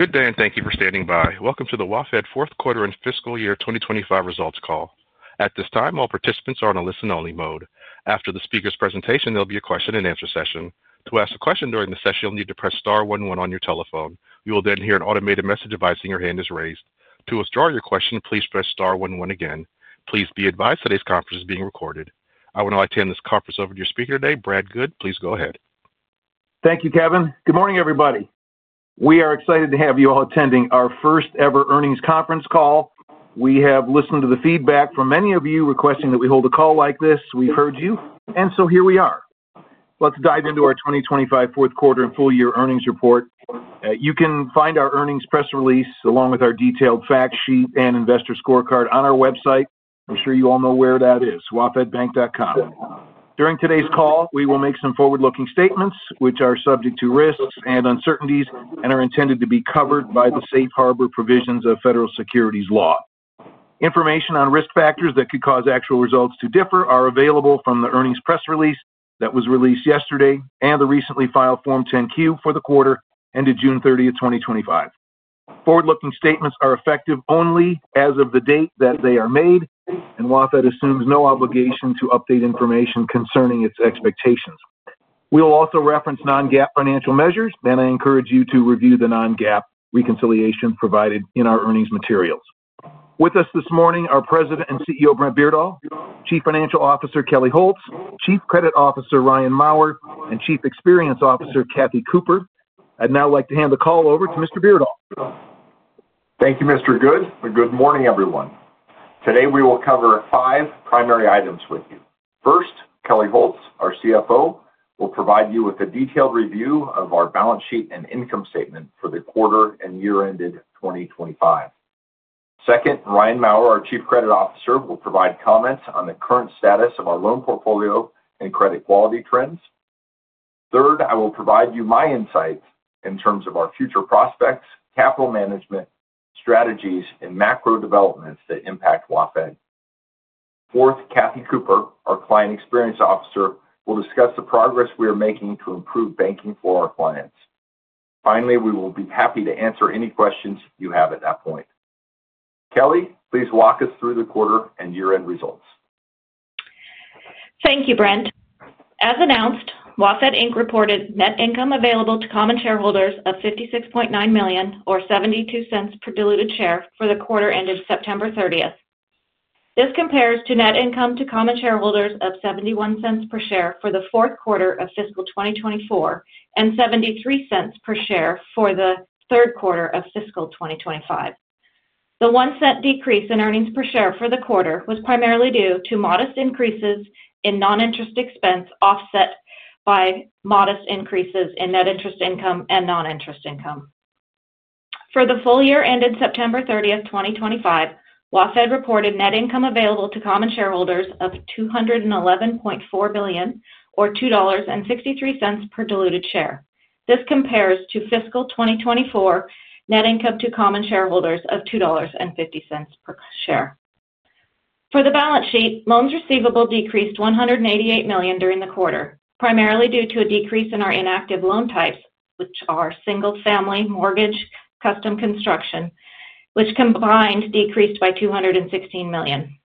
Good day and thank you for standing by. Welcome to the WaFd fourth quarter and fiscal year 2025 results call. At this time, all participants are in a listen-only mode. After the speaker's presentation, there will be a question-and-answer session. To ask a question during the session, you'll need to press Star one one on your telephone. You will then hear an automated message advising your hand is raised. To withdraw your question, please press Star one one again. Please be advised today's conference is being recorded. I would now like to hand this conference over to your speaker today, Brent Beardall. Please go ahead. Thank you, Kevin. Good morning, everybody. We are excited to have you all attending our first ever earnings conference call. We have listened to the feedback from many of you requesting that we hold a call like this. We've heard you, and here we are. Let's dive into our 2025 fourth quarter and full year earnings report. You can find our earnings press release along with our detailed fact sheet and investor scorecard on our website. I'm sure you all know where that is: wafdbank.com. During today's call, we will make some forward-looking statements, which are subject to risks and uncertainties and are intended to be covered by the safe harbor provisions of Federal Securities Law. Information on risk factors that could cause actual results to differ is available from the earnings press release that was released yesterday and the recently filed Form 10-Q for the quarter ended June 30, 2025. Forward-looking statements are effective only as of the date that they are made, and WaFd assumes no obligation to update information concerning its expectations. We will also reference non-GAAP financial measures, and I encourage you to review the non-GAAP reconciliation provided in our earnings materials. With us this morning are President and CEO Brent Beardall, Chief Financial Officer Kelli Holz, Chief Credit Officer Ryan Mauer, and Chief Experience Officer Kathy Cooper. I'd now like to hand the call over to Mr. Beardall. Thank you, Mr. Goode. Good morning, everyone. Today we will cover five primary items with you. First, Kelli Holz, our CFO, will provide you with a detailed review of our balance sheet and income statement for the quarter and year ended 2025. Second, Ryan Mauer, our Chief Credit Officer, will provide comments on the current status of our loan portfolio and credit quality trends. Third, I will provide you my insights in terms of our future prospects, capital management strategies, and macro developments that impact WaFd. Fourth, Kathy Cooper, our Chief Experience Officer, will discuss the progress we are making to improve banking for our clients. Finally, we will be happy to answer any questions you have at that point. Kelli, please walk us through the quarter and year-end results. Thank you, Brent. As announced, WaFd Inc reported net income available to common shareholders of $56.9 million or $0.72 per diluted share for the quarter ended September 30. This compares to net income to common shareholders of $0.71 per share for the fourth quarter of fiscal 2024 and $0.73 per share for the third quarter of fiscal 2025. The $0.01 decrease in earnings per share for the quarter was primarily due to modest increases in non-interest expense, offset by modest increases in net interest income and non-interest income. For the full year ended September 30, 2025, WaFd reported net income available to common shareholders of $211.4 million or $2.63 per diluted share. This compares to fiscal 2024 net income to common shareholders of $2.50 per share. For the balance sheet, loans receivable decreased $188 million during the quarter, primarily due to a decrease in our inactive loan types, which are single-family, mortgage, and custom construction, which combined decreased by $216 million.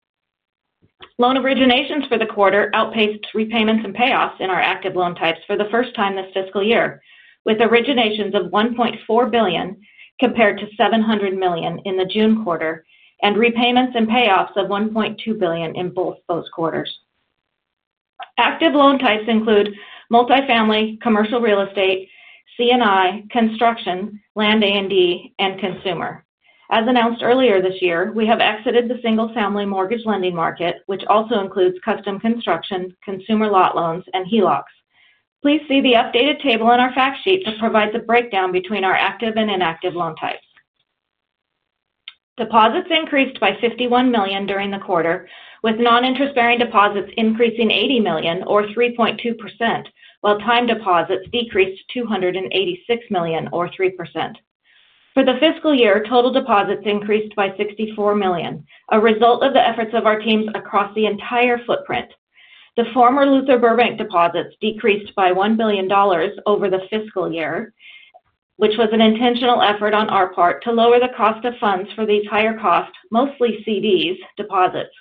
Loan originations for the quarter outpaced repayments and payoffs in our active loan types for the first time this fiscal year, with originations of $1.4 billion compared to $700 million in the June quarter and repayments and payoffs of $1.2 billion in both those quarters. Active loan types include multifamily, commercial real estate, C&I, construction, land, A&D, and consumer. As announced earlier this year, we have exited the single-family mortgage lending market, which also includes custom construction, consumer lot loans, and HELOCs. Please see the updated table in our fact sheet that provides a breakdown between our active and inactive loan types. Deposits increased by $51 million during the quarter, with non-interest-bearing deposits increasing $80 million or 3.2%, while time deposits decreased to $286 million or 3%. For the fiscal year, total deposits increased by $64 million, a result of the efforts of our teams across the entire footprint. The former Luther Burbank deposits decreased by $1 billion over the fiscal year, which was an intentional effort on our part to lower the cost of funds for these higher cost, mostly CDs deposits.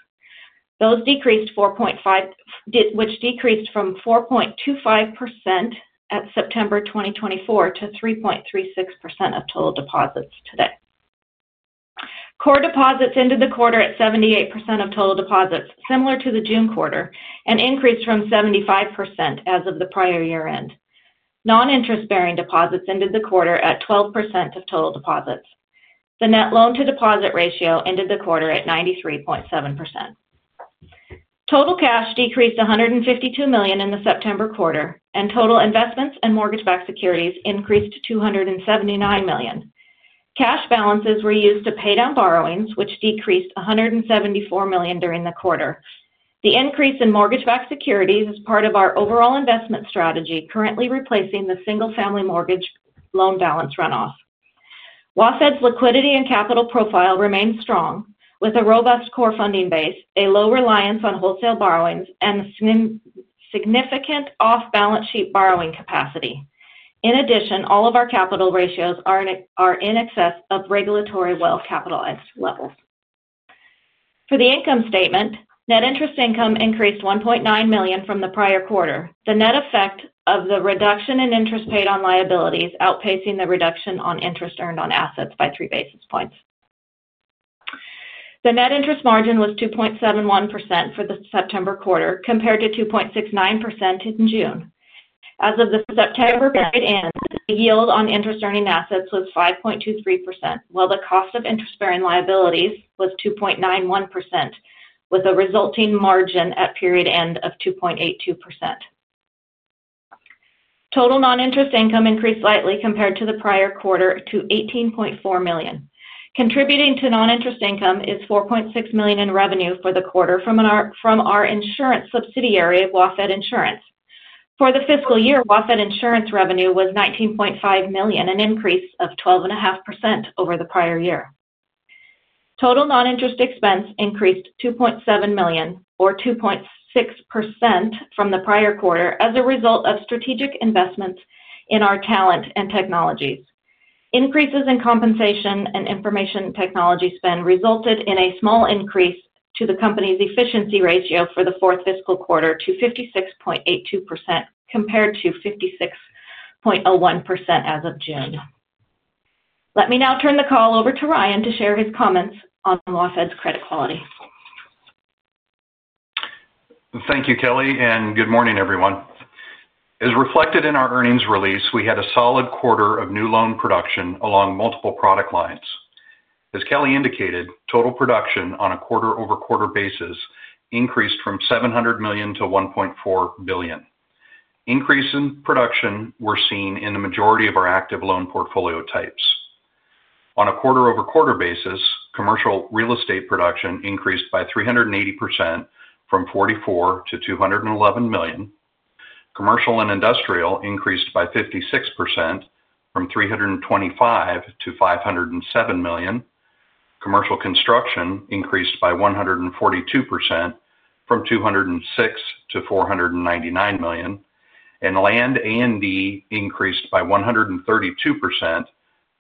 Those decreased from 4.25% at September 2024 to 3.36% of total deposits today. Core deposits ended the quarter at 78% of total deposits, similar to the June quarter, and increased from 75% as of the prior year-end. Non-interest-bearing deposits ended the quarter at 12% of total deposits. The net loan-to-deposit ratio ended the quarter at 93.7%. Total cash decreased $152 million in the September quarter, and total investments and mortgage-backed securities increased to $279 million. Cash balances were used to pay down borrowings, which decreased $174 million during the quarter. The increase in mortgage-backed securities is part of our overall investment strategy, currently replacing the single-family mortgage loan balance runoff. WaFd's liquidity and capital profile remain strong, with a robust core funding base, a low reliance on wholesale borrowings, and a significant off-balance sheet borrowing capacity. In addition, all of our capital ratios are in excess of regulatory well-capitalized levels. For the income statement, net interest income increased $1.9 million from the prior quarter, the net effect of the reduction in interest paid on liabilities outpacing the reduction on interest earned on assets by 3 basis points. The net interest margin was 2.71% for the September quarter compared to 2.69% in June. As of the September period end, the yield on interest-earning assets was 5.23%, while the cost of interest-bearing liabilities was 2.91%, with a resulting margin at period end of 2.82%. Total non-interest income increased slightly compared to the prior quarter to $18.4 million. Contributing to non-interest income is $4.6 million in revenue for the quarter from our insurance subsidiary, WaFd Insurance. For the fiscal year, WaFd Insurance revenue was $19.5 million, an increase of 12.5% over the prior year. Total non-interest expense increased $2.7 million or 2.6% from the prior quarter as a result of strategic investments in our talent and technologies. Increases in compensation and information technology spend resulted in a small increase to the company's efficiency ratio for the fourth fiscal quarter to 56.82% compared to 56.01% as of June. Let me now turn the call over to Ryan to share his comments on WaFd's credit quality. Thank you, Kelli, and good morning, everyone. As reflected in our earnings release, we had a solid quarter of new loan production along multiple product lines. As Kelli indicated, total production on a quarter-over-quarter basis increased from $700 million-$1.4 billion. Increases in production were seen in the majority of our active loan portfolio types. On a quarter-over-quarter basis, commercial real estate production increased by 380% from $44 million-$211 million. Commercial and industrial increased by 56% from $325 million-$507 million. Commercial construction increased by 142% from $206 million-$499 million, and land, A&D increased by 132%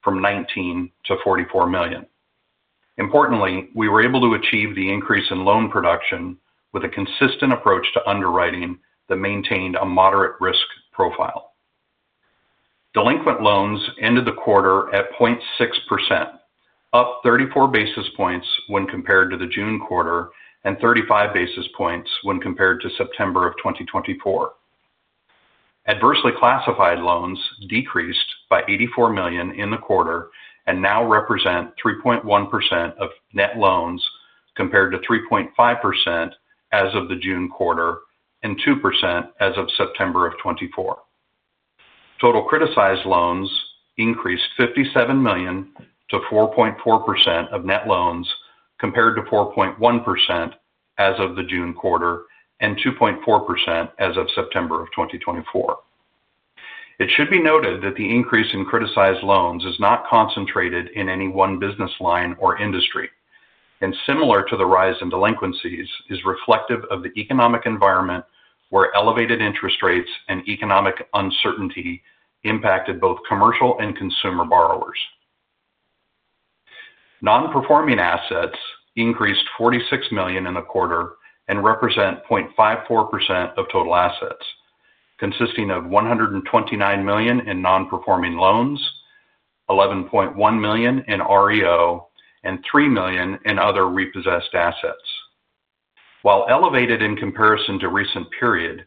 from $19 million-$44 million. Importantly, we were able to achieve the increase in loan production with a consistent approach to underwriting that maintained a moderate risk profile. Delinquent loans ended the quarter at 0.6%, up 34 basis points when compared to the June quarter and 35 basis points when compared to September of 2024. Adversely classified loans decreased by $84 million in the quarter and now represent 3.1% of net loans compared to 3.5% as of the June quarter and 2% as of September of 2024. Total criticized loans increased $57 million to 4.4% of net loans compared to 4.1% as of the June quarter and 2.4% as of September of 2024. It should be noted that the increase in criticized loans is not concentrated in any one business line or industry, and similar to the rise in delinquencies, is reflective of the economic environment where elevated interest rates and economic uncertainty impacted both commercial and consumer borrowers. Non-performing assets increased $46 million in the quarter and represent 0.54% of total assets, consisting of $129 million in non-performing loans, $11.1 million in REO, and $3 million in other repossessed assets. While elevated in comparison to the recent period,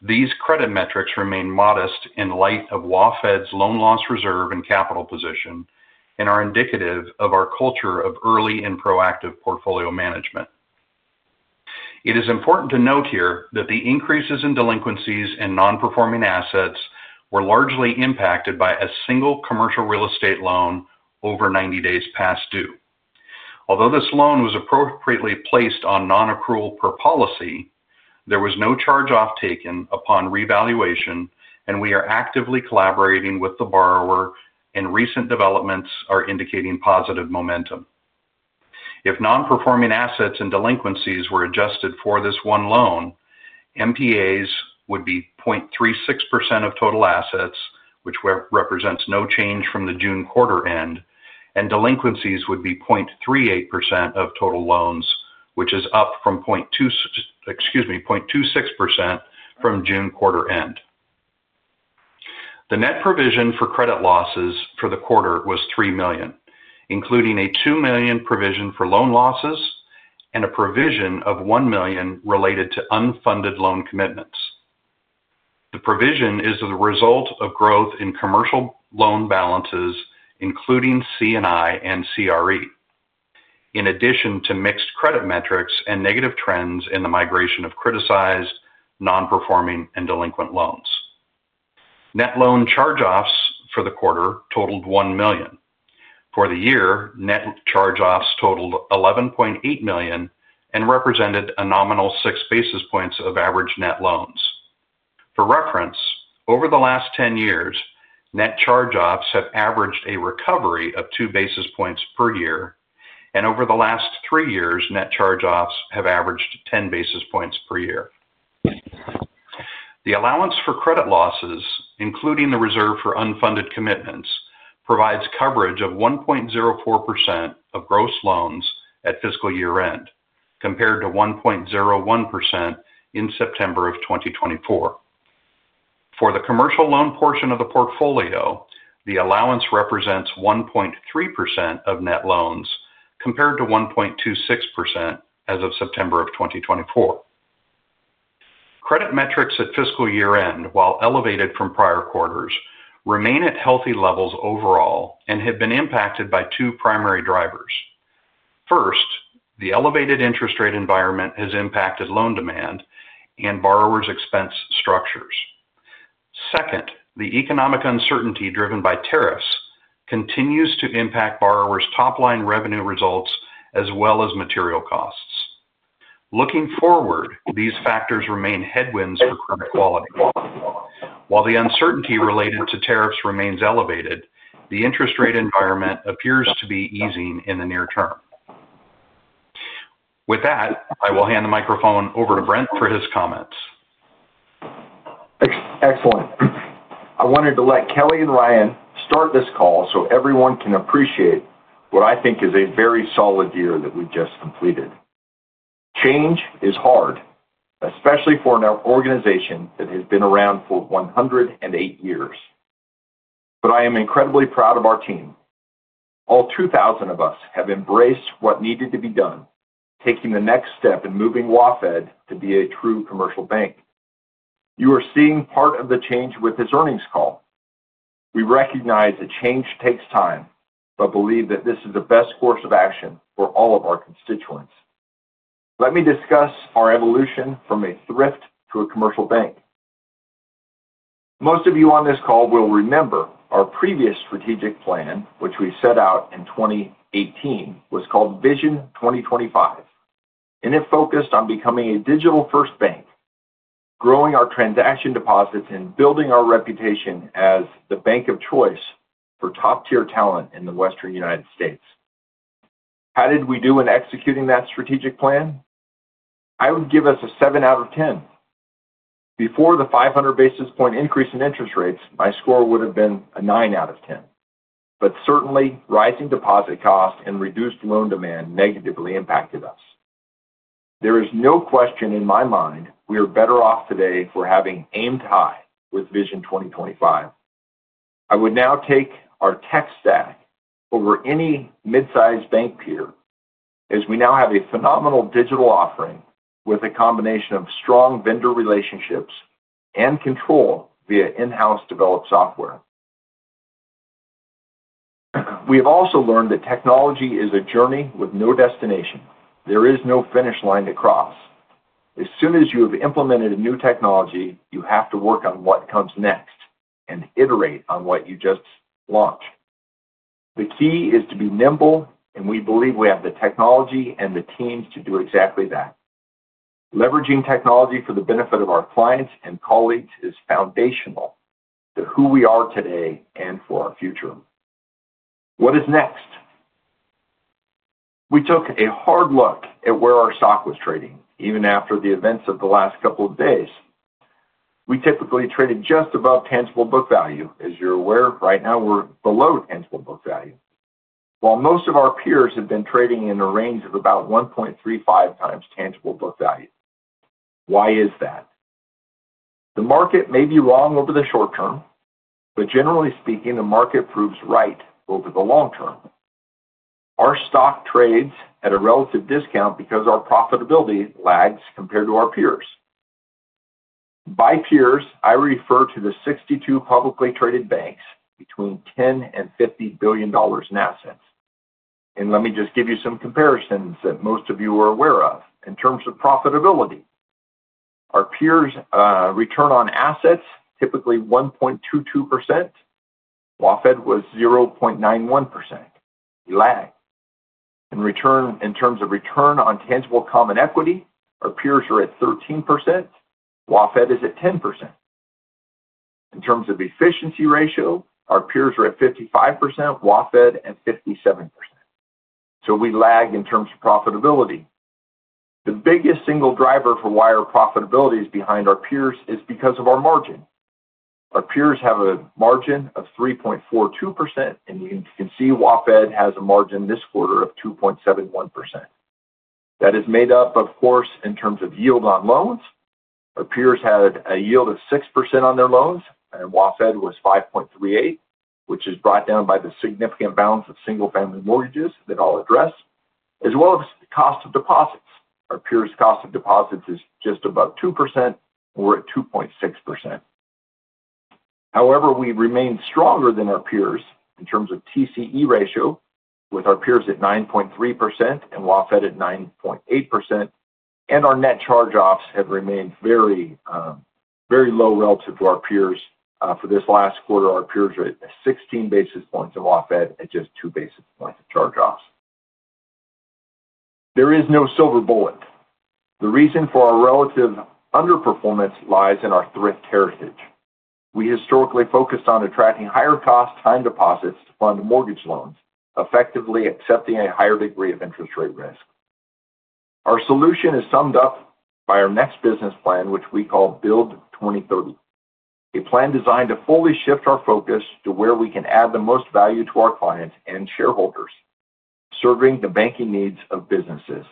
these credit metrics remain modest in light of WaFd's loan loss reserve and capital position and are indicative of our culture of early and proactive portfolio management. It is important to note here that the increases in delinquencies and non-performing assets were largely impacted by a single commercial real estate loan over 90 days past due. Although this loan was appropriately placed on non-accrual per policy, there was no charge-off taken upon revaluation, and we are actively collaborating with the borrower, and recent developments are indicating positive momentum. If non-performing assets and delinquencies were adjusted for this one loan, NPAs would be 0.36% of total assets, which represents no change from the June quarter end, and delinquencies would be 0.38% of total loans, which is up from 0.26% from June quarter end. The net provision for credit losses for the quarter was $3 million, including a $2 million provision for loan losses and a provision of $1 million related to unfunded loan commitments. The provision is the result of growth in commercial loan balances, including C&I and CRE, in addition to mixed credit metrics and negative trends in the migration of criticized, non-performing, and delinquent loans. Net loan charge-offs for the quarter totaled $1 million. For the year, net charge-offs totaled $11.8 million and represented a nominal 6 basis points of average net loans. For reference, over the last 10 years, net charge-offs have averaged a recovery of 2 basis points per year, and over the last three years, net charge-offs have averaged 10 basis points per year. The allowance for credit losses, including the reserve for unfunded commitments, provides coverage of 1.04% of gross loans at fiscal year end, compared to 1.01% in September of 2024. For the commercial loan portion of the portfolio, the allowance represents 1.3% of net loans compared to 1.26% as of September of 2024. Credit metrics at fiscal year end, while elevated from prior quarters, remain at healthy levels overall and have been impacted by two primary drivers. First, the elevated interest rate environment has impacted loan demand and borrowers' expense structures. Second, the economic uncertainty driven by tariffs continues to impact borrowers' top-line revenue results as well as material costs. Looking forward, these factors remain headwinds for credit quality. While the uncertainty related to tariffs remains elevated, the interest rate environment appears to be easing in the near -erm. With that, I will hand the microphone over to Brent for his comments. Excellent. I wanted to let Kelli and Ryan start this call so everyone can appreciate what I think is a very solid year that we've just completed. Change is hard, especially for an organization that has been around for 108 years. I am incredibly proud of our team. All 2,000 of us have embraced what needed to be done, taking the next step in moving WaFd to be a true commercial bank. You are seeing part of the change with this earnings call. We recognize that change takes time, but believe that this is the best course of action for all of our constituents. Let me discuss our evolution from a thrift to a commercial bank. Most of you on this call will remember our previous strategic plan, which we set out in 2018, was called Vision 2025, and it focused on becoming a digital-first bank, growing our transaction deposits, and building our reputation as the bank of choice for top-tier talent in the Western United States. How did we do in executing that strategic plan? I would give us a seven out of 10. Before the 500 basis point increase in interest rates, my score would have been a nine out of 10. Certainly, rising deposit costs and reduced loan demand negatively impacted us. There is no question in my mind we are better off today for having aimed high with Vision 2025. I would now take our tech stack over any mid-sized bank peer, as we now have a phenomenal digital offering with a combination of strong vendor relationships and control via in-house developed software. We have also learned that technology is a journey with no destination. There is no finish line to cross. As soon as you have implemented a new technology, you have to work on what comes next and iterate on what you just launched. The key is to be nimble, and we believe we have the technology and the teams to do exactly that. Leveraging technology for the benefit of our clients and colleagues is foundational to who we are today and for our future. What is next? We took a hard look at where our stock was trading, even after the events of the last couple of days. We typically trade just above tangible book value. As you're aware, right now we're below tangible book value, while most of our peers have been trading in the range of about 1.35x tangible book value. Why is that? The market may be wrong over the short term, but generally speaking, the market proves right over the long term. Our stock trades at a relative discount because our profitability lags compared to our peers. By peers, I refer to the 62 publicly-traded banks between $10 billion and $50 billion in assets. Let me just give you some comparisons that most of you are aware of in terms of profitability. Our peers' return on assets are typically 1.22%. WaFd was 0.91%. We lag. In terms of return on tangible common equity, our peers are at 13%. WaFd is at 10%. In terms of efficiency ratio, our peers are at 55%, WaFd at 57%. We lag in terms of profitability. The biggest single driver for why our profitability is behind our peers is because of our margin. Our peers have a margin of 3.42%, and you can see WaFd has a margin this quarter of 2.71%. That is made up, of course, in terms of yield on loans. Our peers had a yield of 6% on their loans, and WaFd was 5.38%, which is brought down by the significant balance of single-family mortgages that I'll address, as well as the cost of deposits. Our peers' cost of deposits is just above 2%. We're at 2.6%. However, we remain stronger than our peers in terms of TCE ratio, with our peers at 9.3% and WaFd at 9.8%. Our net charge-offs have remained very, very low relative to our peers. For this last quarter, our peers are at 16 basis points and WaFd at just 2 basis points of charge-offs. There is no silver bullet. The reason for our relative underperformance lies in our thrift heritage. We historically focused on attracting higher cost time deposits to fund mortgage loans, effectively accepting a higher degree of interest rate risk. Our solution is summed up by our next business plan, which we call Build 2030, a plan designed to fully shift our focus to where we can add the most value to our clients and shareholders, serving the banking needs of businesses.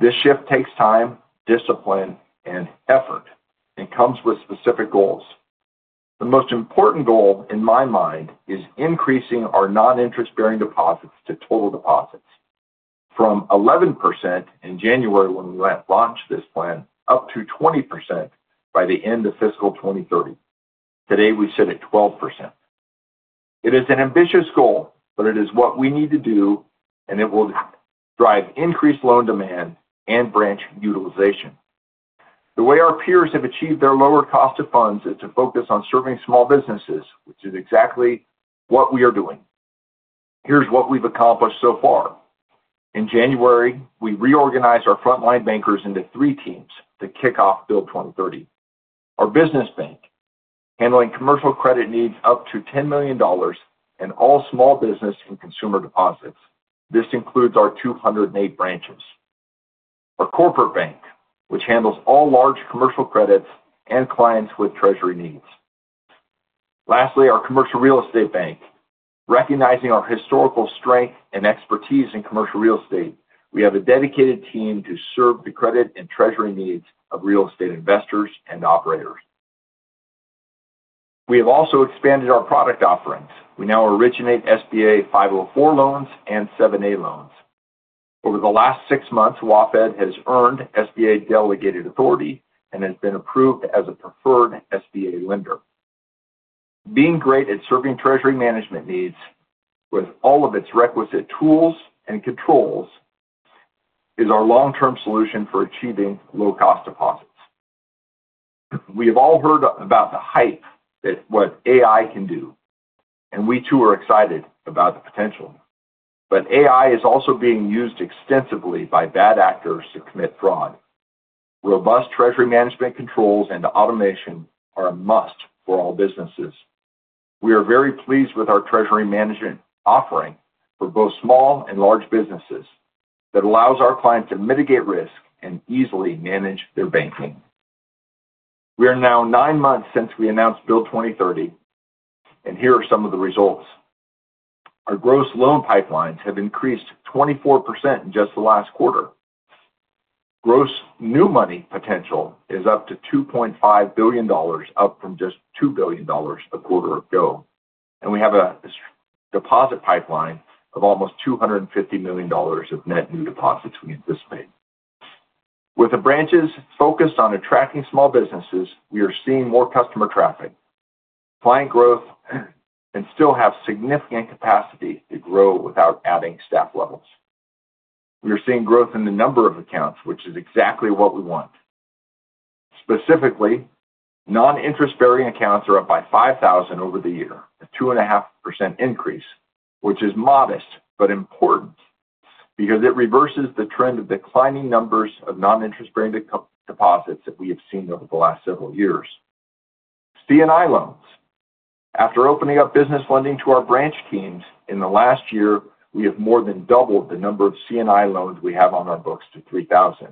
This shift takes time, discipline, and effort and comes with specific goals. The most important goal in my mind is increasing our non-interest-bearing deposits to total deposits from 11% in January when we launched this plan, up to 20% by the end of fiscal 2030. Today, we sit at 12%. It is an ambitious goal, but it is what we need to do, and it will drive increased loan demand and branch utilization. The way our peers have achieved their lower cost of funds is to focus on serving small businesses, which is exactly what we are doing. Here's what we've accomplished so far. In January, we reorganized our frontline bankers into three teams to kick off Build 2030. Our business bank, handling commercial credit needs up to $10 million and all small business and consumer deposits. This includes our 208 branches, our corporate bank, which handles all large commercial credits and clients with treasury needs. Lastly, our commercial real estate bank, recognizing our historical strength and expertise in commercial real estate. We have a dedicated team to serve the credit and treasury needs of real estate investors and operators. We have also expanded our product offerings. We now originate SBA 504 loans and 7A loans. Over the last six months, WaFd has earned SBA delegated authority and has been approved as a preferred SBA lender. Being great at serving treasury management needs with all of its requisite tools and controls is our long-term solution for achieving low-cost deposits. We have all heard about the hype that what AI can do, and we too are excited about the potential. AI is also being used extensively by bad actors to commit fraud. Robust treasury management controls and automation are a must for all businesses. We are very pleased with our treasury management offering for both small and large businesses that allows our clients to mitigate risk and easily manage their banking. We are now nine months since we announced Build 2030, and here are some of the results. Our gross loan pipelines have increased 24% in just the last quarter. Gross new money potential is up to $2.5 billion, up from just $2 billion a quarter ago. We have a deposit pipeline of almost $250 million of net new deposits we anticipate. With the branches focused on attracting small businesses, we are seeing more customer traffic, client growth, and still have significant capacity to grow without adding staff levels. We are seeing growth in the number of accounts, which is exactly what we want. Specifically, non-interest-bearing accounts are up by 5,000 over the year, a 2.5% increase, which is modest but important because it reverses the trend of declining numbers of non-interest-bearing deposits that we have seen over the last several years. C&I loans. After opening up business lending to our branch teams in the last year, we have more than doubled the number of C&I loans we have on our books to 3,000.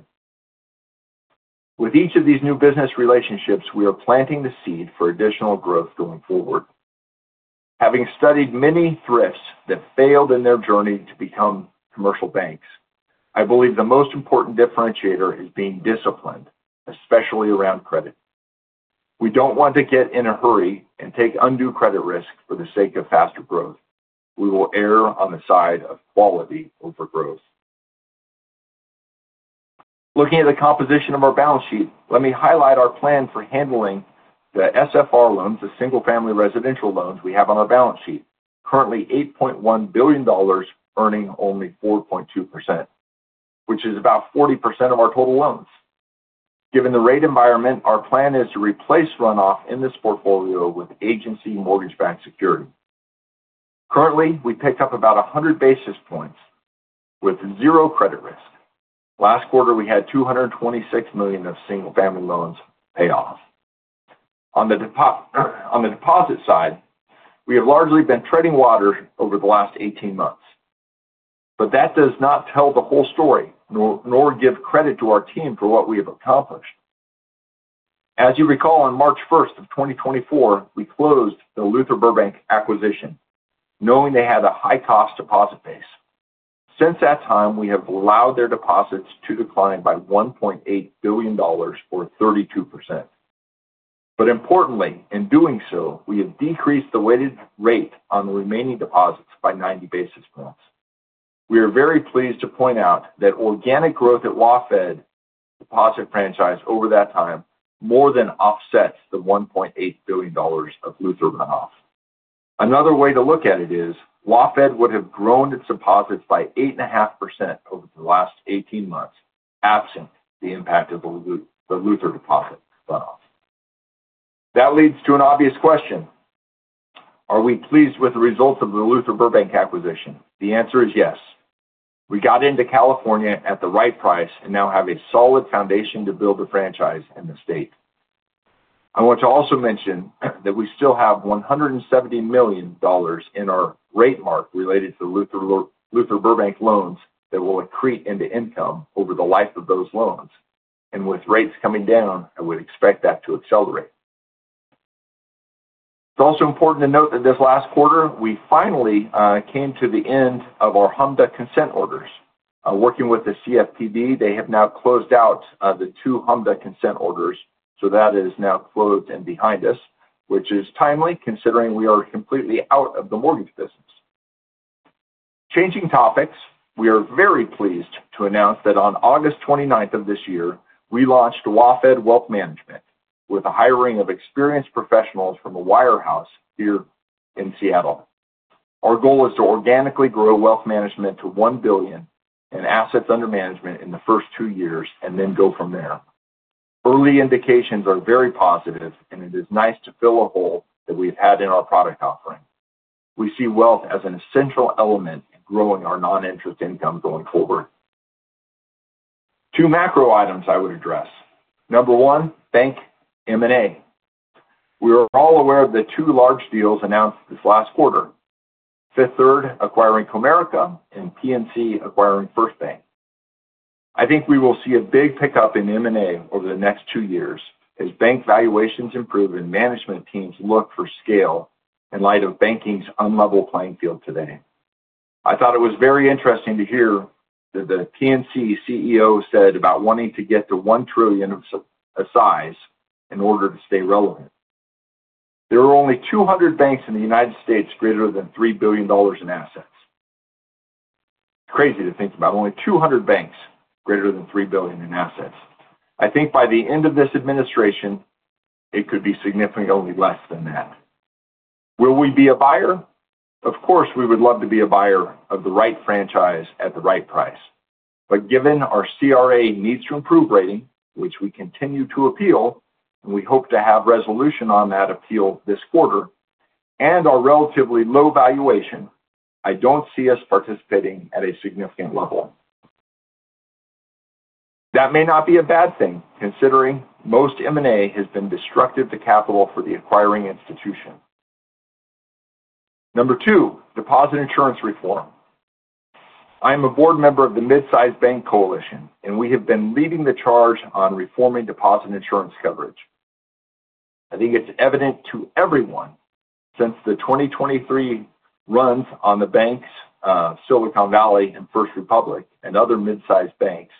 With each of these new business relationships, we are planting the seed for additional growth going forward. Having studied many thrifts that failed in their journey to become commercial banks, I believe the most important differentiator is being disciplined, especially around credit. We don't want to get in a hurry and take undue credit risk for the sake of faster growth. We will err on the side of quality over growth. Looking at the composition of our balance sheet, let me highlight our plan for handling the SFR loans, the single-family residential loans we have on our balance sheet, currently $8.1 billion, earning only 4.2%, which is about 40% of our total loans. Given the rate environment, our plan is to replace runoff in this portfolio with agency mortgage-backed security. Currently, we pick up about 100 basis points with zero credit risk. Last quarter, we had $226 million of single-family loans pay off. On the deposit side, we have largely been treading water over the last 18 months. That does not tell the whole story, nor give credit to our team for what we have accomplished. As you recall, on March 1, 2024, we closed the Luther Burbank acquisition, knowing they had a high-cost deposit base. Since that time, we have allowed their deposits to decline by $1.8 billion or 32%. Importantly, in doing so, we have decreased the weighted rate on the remaining deposits by 90 basis points. We are very pleased to point out that organic growth at WaFd, the deposit franchise over that time, more than offsets the $1.8 billion of Luther runoff. Another way to look at it is, WaFd would have grown its deposits by 8.5% over the last 18 months absent the impact of the Luther deposit runoff. That leads to an obvious question. Are we pleased with the results of the Luther Burbank acquisition? The answer is yes. We got into California at the right price and now have a solid foundation to build a franchise in the state. I want to also mention that we still have $170 million in our rate mark related to the Luther Burbank loans that will accrete into income over the life of those loans. With rates coming down, I would expect that to accelerate. It's also important to note that this last quarter, we finally came to the end of our HMDA consent orders. Working with the CFPB, they have now closed out the two HMDA consent orders, so that is now closed and behind us, which is timely considering we are completely out of the mortgage business. Changing topics, we are very pleased to announce that on August 29th, 2024, we launched WaFd Wealth Management with a hiring of experienced professionals from a wirehouse here in Seattle. Our goal is to organically grow wealth management to $1 billion in assets under management in the first two years and then go from there. Early indications are very positive, and it is nice to fill a hole that we have had in our product offering. We see wealth as an essential element in growing our non-interest income going forward. Two macro items I would address. Number one, bank M&A. We are all aware of the two large deals announced this last quarter: Fifth Third acquiring Comerica and PNC acquiring First Bank. I think we will see a big pickup in M&A over the next two years as bank valuations improve and management teams look for scale in light of banking's unlevel playing field today. I thought it was very interesting to hear what the PNC CEO said about wanting to get to $1 trillion of size in order to stay relevant. There are only 200 banks in the U.S. greater than $3 billion in assets. It's crazy to think about only 200 banks greater than $3 billion in assets. I think by the end of this administration, it could be significantly less than that. Will we be a buyer? Of course, we would love to be a buyer of the right franchise at the right price. Given our CRA needs to improve rating, which we continue to appeal, and we hope to have resolution on that appeal this quarter, and our relatively low valuation, I don't see us participating at a significant level. That may not be a bad thing considering most M&A has been destructive to capital for the acquiring institution. Number two, deposit insurance reform. I am a board member of the mid-sized bank coalition, and we have been leading the charge on reforming deposit insurance coverage. I think it's evident to everyone since the 2023 runs on the banks of Silicon Valley and First Republic and other mid-sized banks.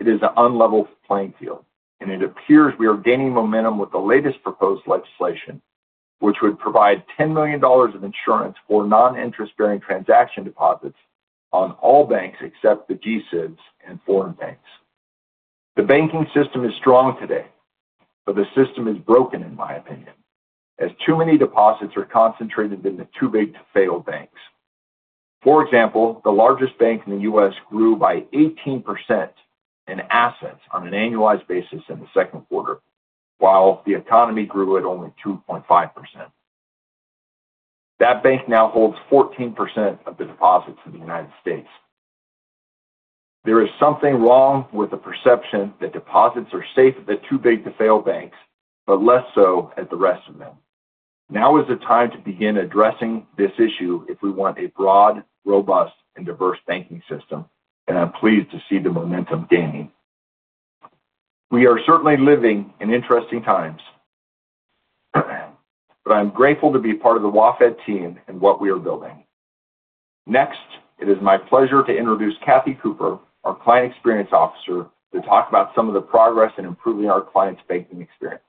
It is an unlevel playing field, and it appears we are gaining momentum with the latest proposed legislation, which would provide $10 million of insurance for non-interest-bearing transaction deposits on all banks except the G-SIBs and foreign banks. The banking system is strong today, but the system is broken, in my opinion, as too many deposits are concentrated in the too big to fail banks. For example, the largest bank in the U.S. grew by 18% in assets on an annualized basis in the second quarter, while the economy grew at only 2.5%. That bank now holds 14% of the deposits in the United States. There is something wrong with the perception that deposits are safe at the too big to fail banks, but less so at the rest of them. Now is the time to begin addressing this issue if we want a broad, robust, and diverse banking system, and I'm pleased to see the momentum gaining. We are certainly living in interesting times, but I'm grateful to be part of the WaFd team and what we are building. Next, it is my pleasure to introduce Kathy Cooper, our Chief Experience Officer, to talk about some of the progress in improving our clients' banking experience.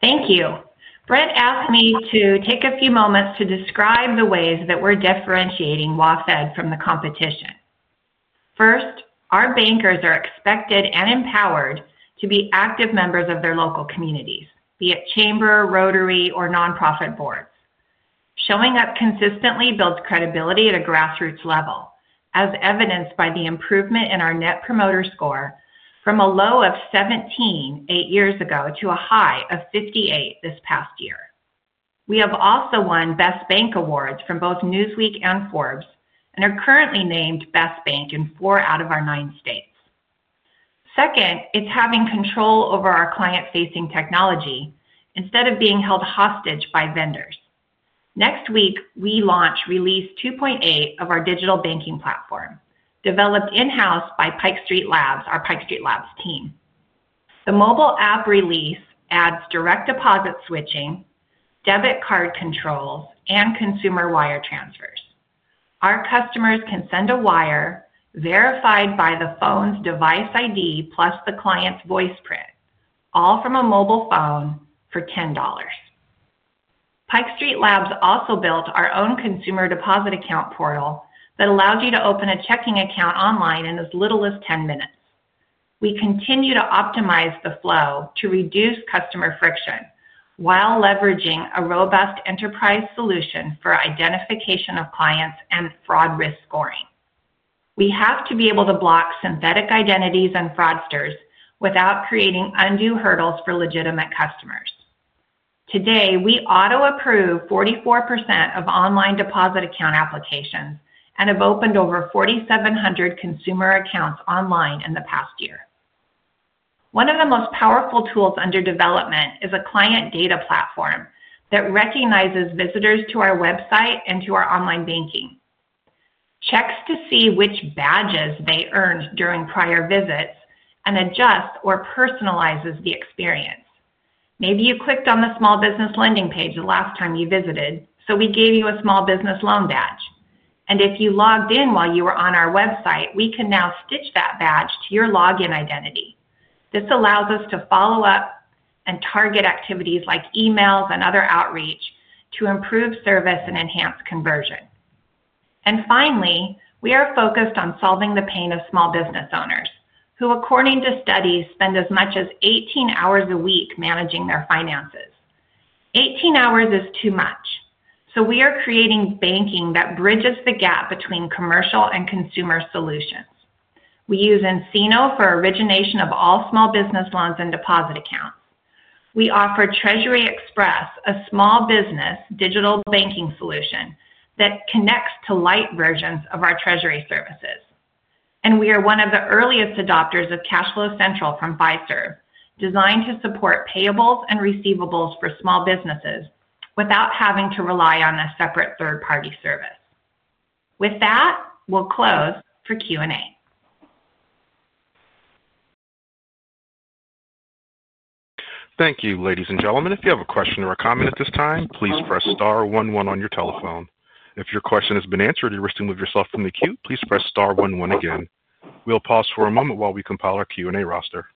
Thank you. Brent asked me to take a few moments to describe the ways that we're differentiating WaFd from the competition. First, our bankers are expected and empowered to be active members of their local communities, be it chamber, rotary, or nonprofit boards. Showing up consistently builds credibility at a grassroots level, as evidenced by the improvement in our net promoter score from a low of 17 eight years ago to a high of 58 this past year. We have also won Best Bank Awards from both Newsweek and Forbes and are currently named Best Bank in four out of our nine states. Second, it's having control over our client-facing technology instead of being held hostage by vendors. Next week, we launch Release 2.8 of our digital banking platform developed in-house by Pike Street Labs, our Pike Street Labs team. The mobile app release adds direct deposit switching, debit card controls, and consumer wire transfers. Our customers can send a wire verified by the phone's device ID plus the client's voice print, all from a mobile phone for $10. Pike Street Labs also built our own consumer deposit account portal that allowed you to open a checking account online in as little as 10 minutes. We continue to optimize the flow to reduce customer friction while leveraging a robust enterprise solution for identification of clients and fraud risk scoring. We have to be able to block synthetic identities and fraudsters without creating undue hurdles for legitimate customers. Today, we auto-approve 44% of online deposit account applications and have opened over 4,700 consumer accounts online in the past year. One of the most powerful tools under development is a client data platform that recognizes visitors to our website and to our online banking, checks to see which badges they earned during prior visits, and adjusts or personalizes the experience. Maybe you clicked on the small business lending page the last time you visited, so we gave you a small business loan badge. If you logged in while you were on our website, we can now stitch that badge to your login identity. This allows us to follow up and target activities like emails and other outreach to improve service and enhance conversion. Finally, we are focused on solving the pain of small business owners who, according to studies, spend as much as 18 hours a week managing their finances. 18 hours is too much. We are creating banking that bridges the gap between commercial and consumer solutions. We use nCino for origination of all small business loans and deposit accounts. We offer Treasury Express, a small business digital banking solution that connects to light versions of our treasury services. We are one of the earliest adopters of Cash Flow Central from Fiserv, designed to support payables and receivables for small businesses without having to rely on a separate third-party service. With that, we'll close for Q&A. Thank you, ladies and gentlemen. If you have a question or a comment at this time, please press Star one one on your telephone. If your question has been answered and you wish to move yourself from the queue, please press Star one one again. We'll pause for a moment while we compile our Q&A roster.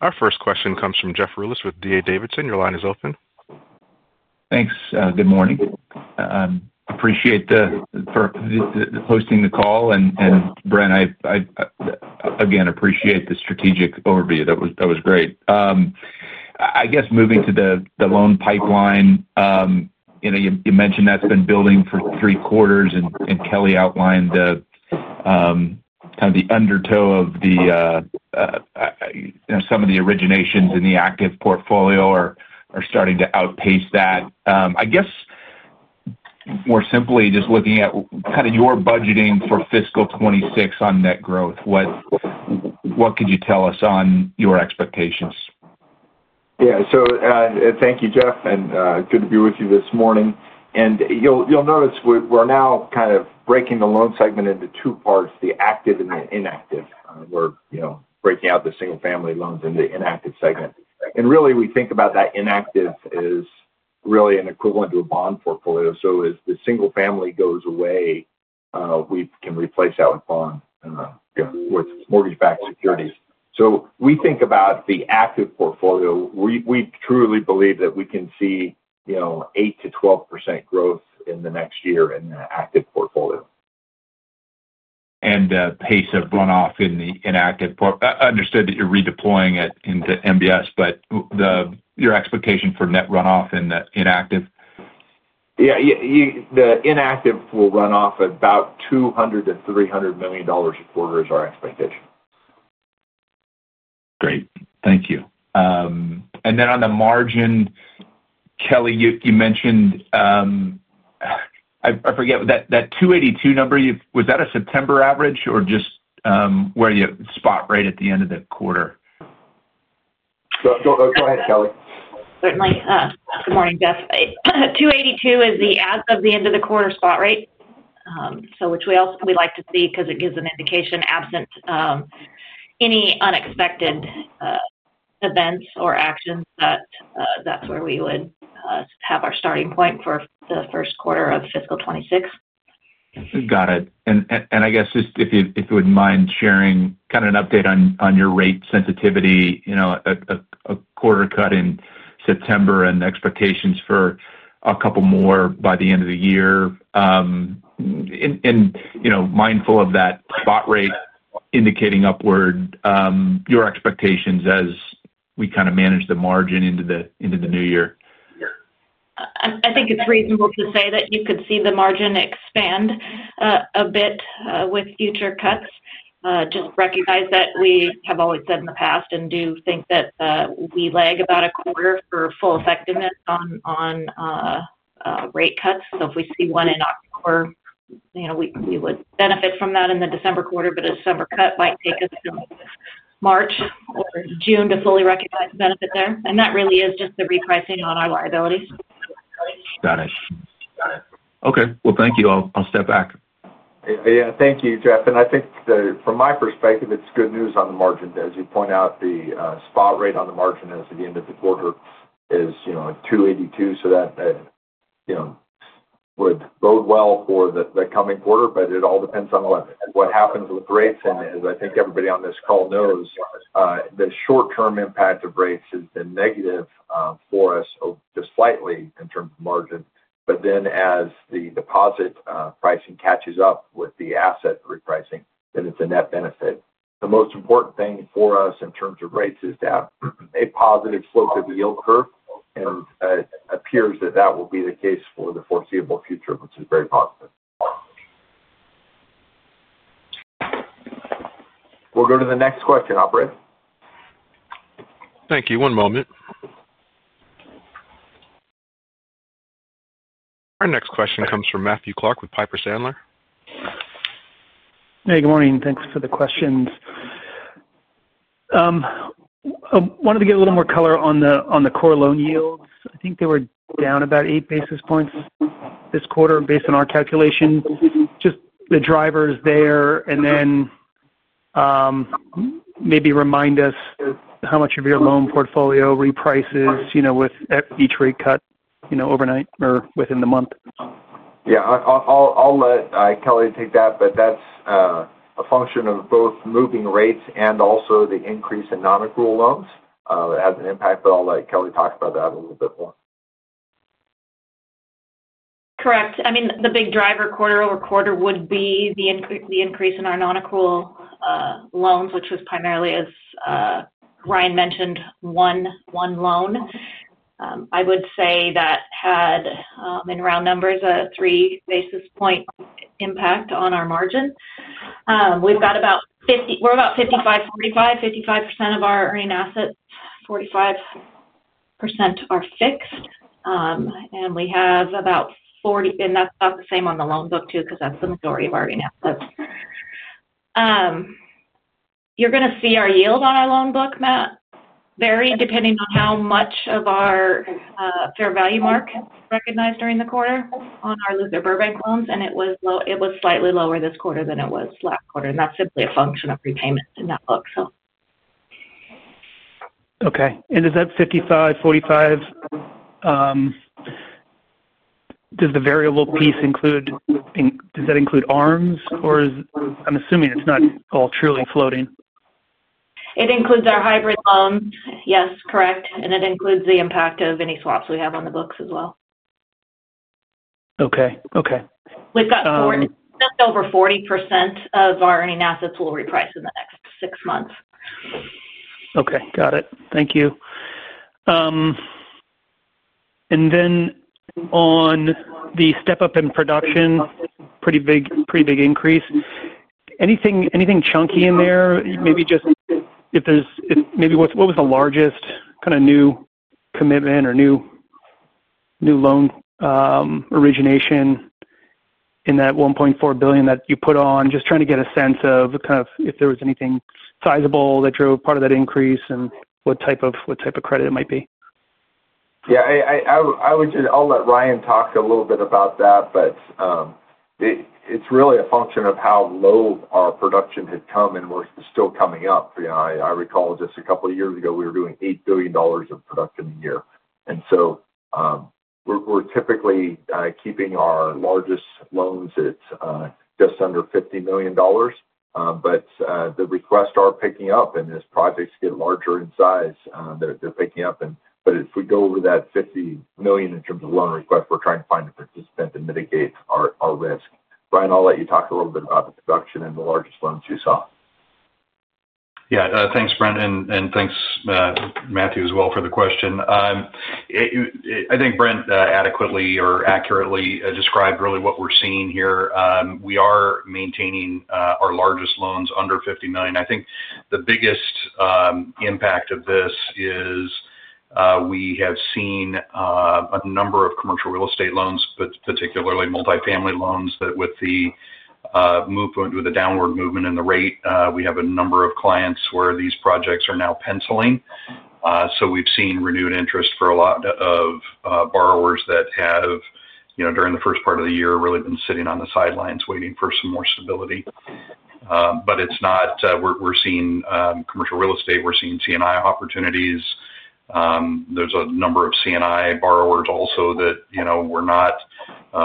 Our first question comes from Jeff Rulis with D.A. Davidson. Your line is open. Thanks. Good morning. I appreciate you hosting the call. Brent, I again appreciate the strategic overview. That was great. I guess moving to the loan pipeline, you mentioned that's been building for three quarters, and Kelli outlined kind of the undertow of some of the originations, and the active portfolio are starting to outpace that. I guess more simply, just looking at kind of your budgeting for fiscal 2026 on net growth, what could you tell us on your expectations? Thank you, Jeff, and good to be with you this morning. You'll notice we're now kind of breaking the loan segment into two parts, the active and the inactive. We're breaking out the single-family loans into the inactive segment. We think about that inactive as really an equivalent to a bond portfolio. As the single-family goes away, we can replace that with bond, with mortgage-backed securities. We think about the active portfolio. We truly believe that we can see 8%-12% growth in the next year in the active portfolio. Is the pace of runoff in the inactive? I understood that you're redeploying it into MBS, but your expectation for net runoff in the inactive? The inactive will run off about $200 million-$300 million a quarter is our expectation. Great. Thank you. On the margin, Kelli, you mentioned I forget that 282 number. Was that a September average or just where you spot right at the end of the quarter? Go ahead, Kelli. Certainly. Good morning, Jeff. 282 is the as of the end of the quarter spot rate, which we also like to see because it gives an indication, absent any unexpected events or actions, that that's where we would have our starting point for the first quarter of fiscal 2026. Got it. If you wouldn't mind sharing kind of an update on your rate sensitivity, you know a quarter cut in September and expectations for a couple more by the end of the year. You know, mindful of that spot rate indicating upward, your expectations as we kind of manage the margin into the new year. I think it's reasonable to say that you could see the margin expand a bit with future cuts. Just recognize that we have always said in the past and do think that we lag about a quarter for full effectiveness on rate cuts. If we see one in October, you know we would benefit from that in the December quarter, but a December cut might take us till March or June to fully recognize the benefit there. That really is just the repricing on our liabilities. Got it. Got it. Thank you. I'll step back. Thank you, Jeff. I think from my perspective, it's good news on the margin. As you point out, the spot rate on the margin as of the end of the quarter is 2.82, so that would bode well for the coming quarter. It all depends on what happens with rates. As I think everybody on this call knows, the short-term impact of rates has been negative for us just slightly in terms of margin. As the deposit pricing catches up with the asset repricing, it's a net benefit. The most important thing for us in terms of rates is to have a positive slope of yield curve, and it appears that will be the case for the foreseeable future, which is very positive. We'll go to the next question, operator. Thank you. One moment. Our next question comes from Matthew Clark with Piper Sandler. Hey, good morning. Thanks for the questions. I wanted to get a little more color on the core loan yields. I think they were down about 8 basis points this quarter based on our calculation. Just the drivers there, and then maybe remind us how much of your loan portfolio reprices with each rate cut overnight or within the month. Yeah, I'll let Kelli take that, but that's a function of both moving rates and also the increase in non-accrual loans. It has an impact, but I'll let Kelli talk about that a little bit more. Correct. I mean, the big driver quarter over quarter would be the increase in our non-accrual loans, which was primarily, as Ryan mentioned, one loan. I would say that had, in round numbers, a 3 basis point impact on our margin. We've got about 55%, we're about 55%, 45%, 55% of our earning assets, 45% are fixed, and we have about 40, and that's about the same on the loan book too because that's the majority of our earning assets. You're going to see our yield on our loan book map vary depending on how much of our fair value mark recognized during the quarter on our Luther Burbank loans, and it was slightly lower this quarter than it was last quarter. That's simply a function of prepayment in that book. Okay. Is that 55%, 45%? Does the variable piece include, does that include ARMs, or is, I'm assuming it's not all truly floating. It includes our hybrid loan, yes, correct. It includes the impact of any swaps we have on the books as well. Okay. Okay. We've got just over 40% of our earning assets will reprice in the next six months. Okay. Got it. Thank you. On the step-up in production, pretty big, pretty big increase. Is there anything chunky in there? Maybe what was the largest kind of new commitment or new loan origination in that $1.4 billion that you put on? Just trying to get a sense of if there was anything sizable that drove part of that increase and what type of credit it might be. Yeah, I'll let Ryan talk a little bit about that, but it's really a function of how low our production had come and we're still coming up. I recall just a couple of years ago, we were doing $8 billion of production a year. We're typically keeping our largest loans at just under $50 million. The requests are picking up, and as projects get larger in size, they're picking up. If we go over that $50 million in terms of loan request, we're trying to find a participant to mitigate our risk. Ryan, I'll let you talk a little bit about the production and the largest loans you saw. Yeah, thanks, Brent, and thanks, Matthew as well for the question. I think Brent adequately or accurately described really what we're seeing here. We are maintaining our largest loans under $50 million. I think the biggest impact of this is we have seen a number of commercial real estate loans, but particularly multifamily loans that with the movement, with the downward movement in the rate, we have a number of clients where these projects are now penciling. We've seen renewed interest for a lot of borrowers that have, you know, during the first part of the year, really been sitting on the sidelines waiting for some more stability. It's not, we're seeing commercial real estate. We're seeing C&I opportunities. There's a number of C&I borrowers also that, you know, were not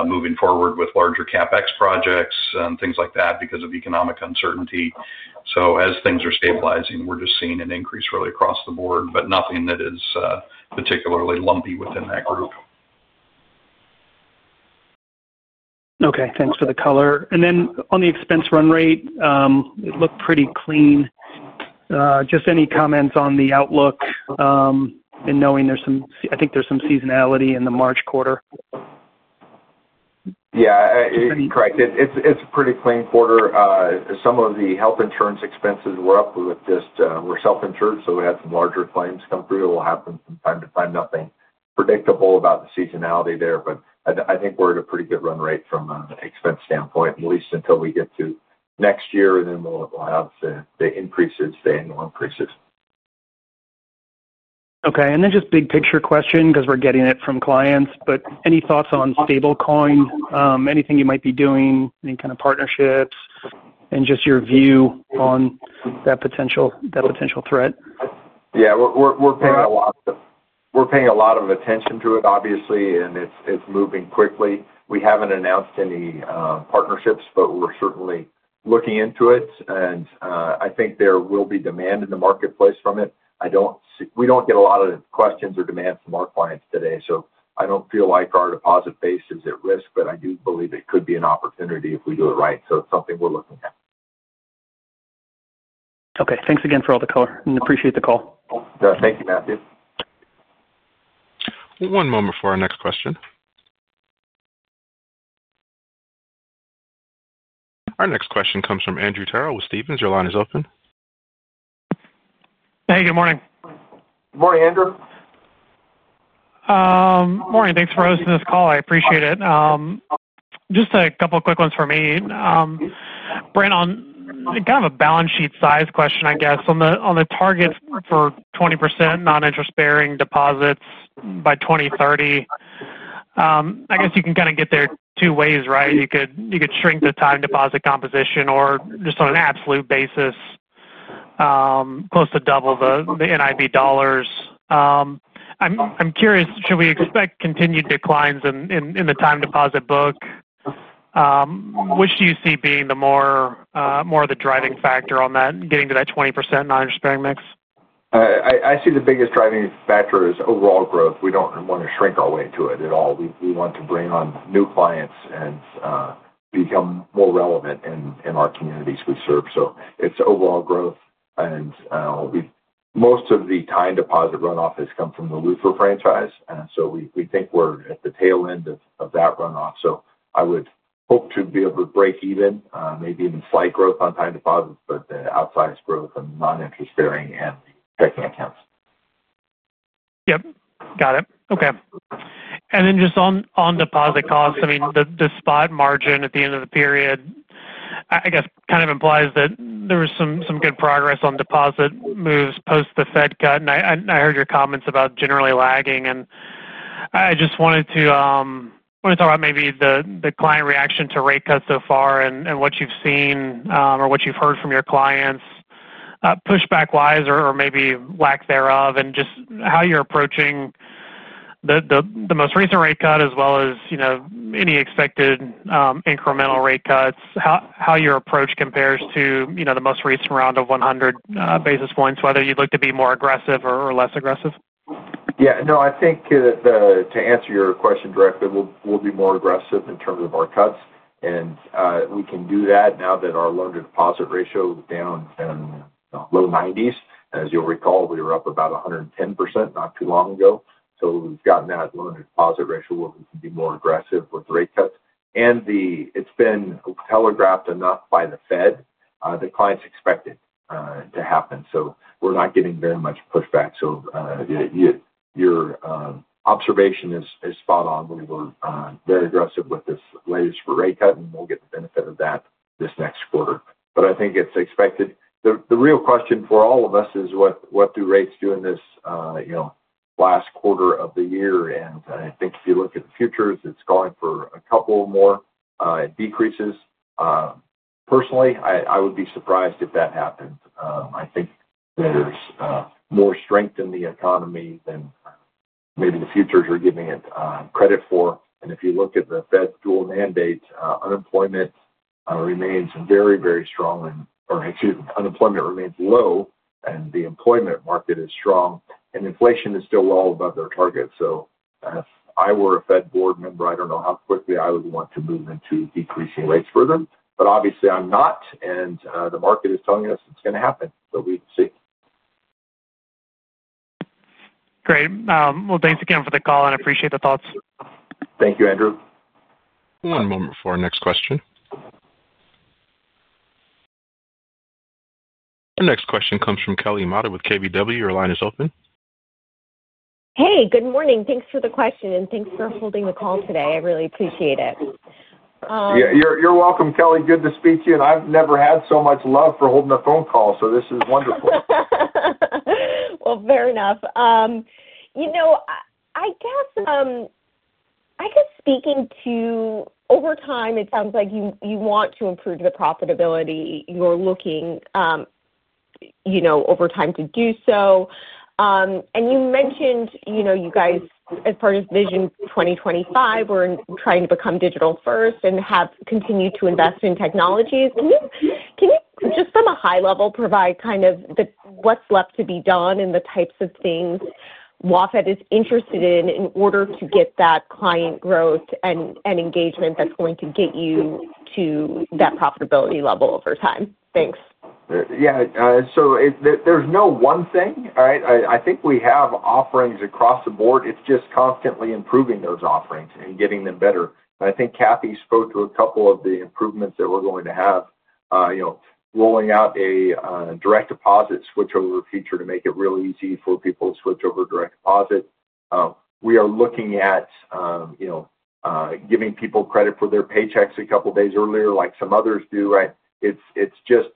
moving forward with larger CapEx projects and things like that because of economic uncertainty. As things are stabilizing, we're just seeing an increase really across the board, but nothing that is particularly lumpy within that group. Okay. Thanks for the color. On the expense run rate, it looked pretty clean. Just any comments on the outlook and knowing there's some, I think there's some seasonality in the March quarter. Yeah. Correct. It's a pretty clean quarter. Some of the health insurance expenses were up. We were self-insured, so we had some larger claims come through. It will happen from time to time. Nothing predictable about the seasonality there, but I think we're at a pretty good run rate from an expense standpoint, at least until we get to next year, and then we'll have the increases, the annual increases. Okay. Just big picture question because we're getting it from clients, but any thoughts on stablecoin, anything you might be doing, any kind of partnerships, and just your view on that potential threat? We're paying a lot of attention to it, obviously, and it's moving quickly. We haven't announced any partnerships, but we're certainly looking into it. I think there will be demand in the marketplace from it. I don't see, we don't get a lot of questions or demands from our clients today, so I don't feel like our deposit base is at risk. I do believe it could be an opportunity if we do it right. It's something we're looking at. Okay, thanks again for all the color and appreciate the call. Thank you, Matthew. One moment for our next question. Our next question comes from Andrew Tyrrell with Stephens. Your line is open. Hey, good morning. Good morning, Andrew. Morning. Thanks for hosting this call. I appreciate it. Just a couple of quick ones for me. Brent, on kind of a balance sheet size question, I guess. On the targets for 20% non-interest-bearing deposits by 2030, I guess you can kind of get there two ways, right? You could shrink the time deposit composition or just on an absolute basis, close to double the NIB dollars. I'm curious, should we expect continued declines in the time deposit book? Which do you see being more of the driving factor on that, getting to that 20% non-interest-bearing mix? I see the biggest driving factor is overall growth. We don't want to shrink our way into it at all. We want to bring on new clients and become more relevant in our communities we serve. It's overall growth. Most of the time deposit runoff has come from the Luther Burbank franchise. We think we're at the tail end of that runoff. I would hope to be able to break even, maybe even see slight growth on time deposits, but the outsized growth on the non-interest-bearing and the checking accounts. Got it. Okay. On deposit costs, the spot margin at the end of the period kind of implies that there was some good progress on deposit moves post the Fed cut. I heard your comments about generally lagging. I just wanted to talk about maybe the client reaction to rate cuts so far and what you've seen, or what you've heard from your clients, pushback-wise or maybe lack thereof, and just how you're approaching the most recent rate cut as well as any expected incremental rate cuts, how your approach compares to the most recent round of 100 basis points, whether you'd look to be more aggressive or less aggressive. I think that to answer your question directly, we'll be more aggressive in terms of our cuts. We can do that now that our loan-to-deposit ratio is down in the low 90%. As you'll recall, we were up about 110% not too long ago. We've gotten that loan-to-deposit ratio where we can be more aggressive with rate cuts. It's been telegraphed enough by the Fed, the clients expect it to happen. We're not getting very much pushback. Your observation is spot on. We were very aggressive with this latest rate cut, and we'll get the benefit of that this next quarter. I think it's expected. The real question for all of us is what do rates do in this last quarter of the year? I think if you look at the futures, it's going for a couple more decreases. Personally, I would be surprised if that happened. I think there's more strength in the economy than maybe the futures are giving it credit for. If you look at the Fed's dual mandate, unemployment remains low, and the employment market is strong. Inflation is still well above their target. If I were a Fed board member, I don't know how quickly I would want to move into decreasing rates further. Obviously, I'm not. The market is telling us it's going to happen. We will see. Great. Thanks again for the call, and I appreciate the thoughts. Thank you, Andrew. One moment for our next question. Our next question comes from Kelli Motta with KBW. Your line is open. Hey, good morning. Thanks for the question and thanks for holding the call today. I really appreciate it. You're welcome, Kelli. Good to speak to you. I've never had so much love for holding a phone call, so this is wonderful. I guess speaking to over time, it sounds like you want to improve the profitability. You're looking over time to do so. You mentioned, you know, you guys, as part of Build 2030, were trying to become digital-first and have continued to invest in technologies. Can you just from a high level provide kind of what's left to be done and the types of things WaFd is interested in in order to get that client growth and engagement that's going to get you to that profitability level over time? Thanks. Yeah. There's no one thing, all right? I think we have offerings across the board. It's just constantly improving those offerings and getting them better. I think Kathy spoke to a couple of the improvements that we're going to have, you know, rolling out a direct deposit switchover feature to make it really easy for people to switch over direct deposit. We are looking at, you know, giving people credit for their paychecks a couple of days earlier, like some others do. It's just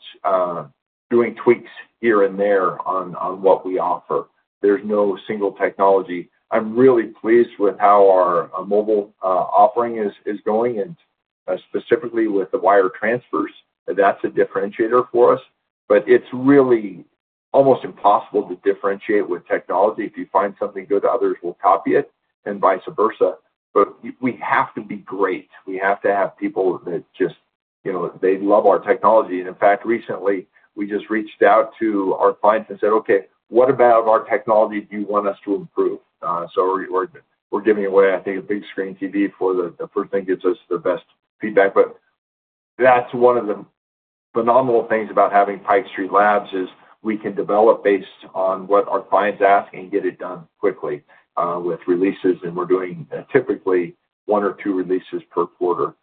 doing tweaks here and there on what we offer. There's no single technology. I'm really pleased with how our mobile offering is going, and specifically with the wire transfers, that's a differentiator for us. It's really almost impossible to differentiate with technology. If you find something good, others will copy it and vice versa. We have to be great. We have to have people that just, you know, they love our technology. In fact, recently, we just reached out to our clients and said, "Okay, what about our technology do you want us to improve?" We're giving away, I think, a big screen TV for the first thing that gives us the best feedback. That's one of the phenomenal things about having Pike Street Labs is we can develop based on what our clients ask and get it done quickly with releases. We're doing typically one or two releases per quarter.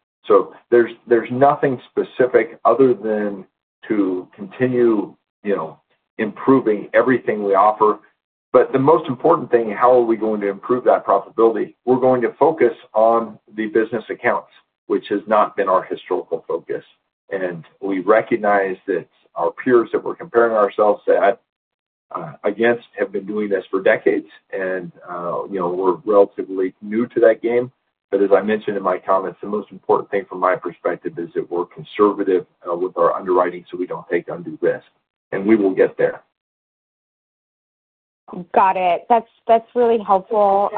There's nothing specific other than to continue, you know, improving everything we offer. The most important thing, how are we going to improve that profitability? We're going to focus on the business accounts, which has not been our historical focus. We recognize that our peers that we're comparing ourselves against have been doing this for decades, and you know, we're relatively new to that game. As I mentioned in my comments, the most important thing from my perspective is that we're conservative with our underwriting so we don't take undue risk. We will get there. Got it. That's really helpful.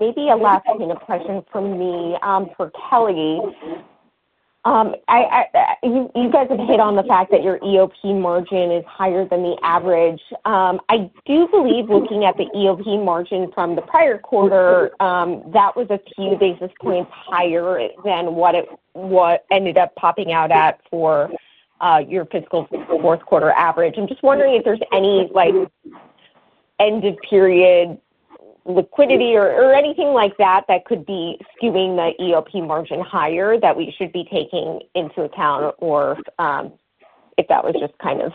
Maybe a last-minute question from me for Kelli. You guys have hit on the fact that your EOP margin is higher than the average. I do believe looking at the EOP margin from the prior quarter, that was a few basis points higher than what it ended up popping out at for your fiscal fourth quarter average. I'm just wondering if there's any end-of-period liquidity or anything like that that could be skewing the EOP margin higher that we should be taking into account or if that was just kind of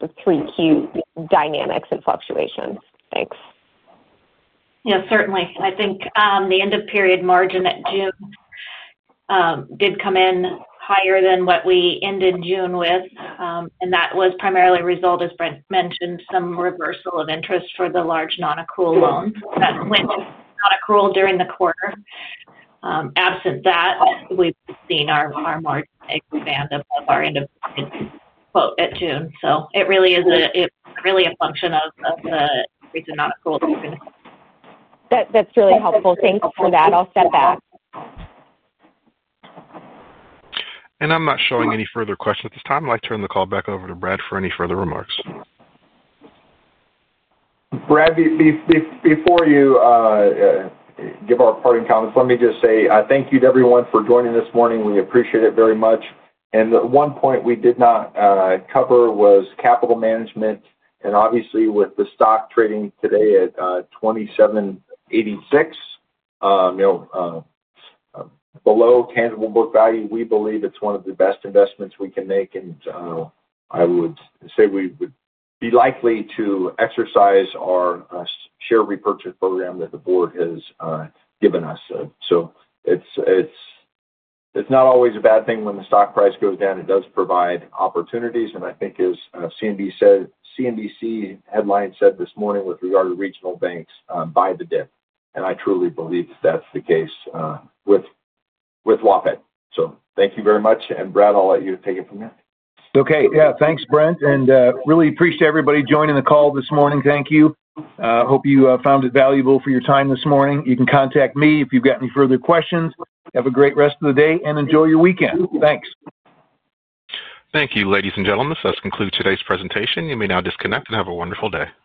the three-Q dynamics and fluctuations. Thanks. Yeah, certainly. I think the end-of-period margin at June did come in higher than what we ended June with. That was primarily a result, as Brent mentioned, of some reversal of interest for the large non-accrual loans that went non-accrual during the quarter. Absent that, we've seen our margin expand above our end-of-period quote at June. It really is a function of the recent non-accrual that we're going to see. That's really helpful. Thanks for that. I'll step back. I'm not showing any further questions at this time. I'd like to turn the call back over to Brent for any further remarks. Brent, before you give our parting comments, let me just say thank you to everyone for joining this morning. We appreciate it very much. The one point we did not cover was capital management. Obviously, with the stock trading today at $27.86, below tangible book value, we believe it's one of the best investments we can make. I would say we would be likely to exercise our share repurchase program that the board has given us. It's not always a bad thing when the stock price goes down. It does provide opportunities. I think, as CNBC Headline said this morning with regard to regional banks, buy the dip. I truly believe that that's the case with WaFd. Thank you very much. Brent, I'll let you take it from there. Thanks, Brent. I really appreciate everybody joining the call this morning. Thank you. Hope you found it valuable for your time this morning. You can contact me if you've got any further questions. Have a great rest of the day and enjoy your weekend. Thanks. Thank you, ladies and gentlemen. This does conclude today's presentation. You may now disconnect and have a wonderful day.